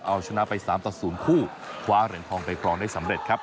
เอาชนะไป๓ต่อ๐คู่คว้าเหรียญทองไปครองได้สำเร็จครับ